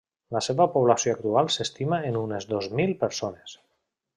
La seva població actual s'estima en unes dos mil persones.